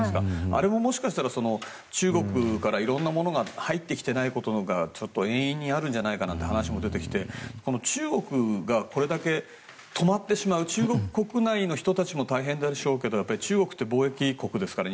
あれも、もしかしたら中国からいろんなものが入ってきてないことが遠因にあるんじゃないかという話も出てきて中国がこれだけ止まってしまう中国国内の人々も大変でしょうけど中国って貿易国ですから。